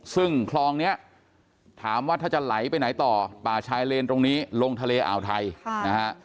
ซึ่งคลองนี้ถามว่าถ้าจะไหลไปไหนต่อป่าชายเลนตรงนี้ลงทะเลอ่าวไทยนะฮะ